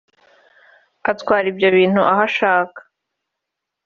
atwara ibyo ibintu aho ashaka